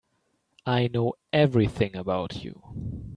I know everything about you.